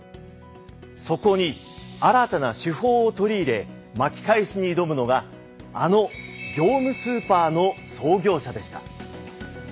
そこに新たな手法を取り入れ巻き返しに挑むのがあの業務スーパーの創業者でした。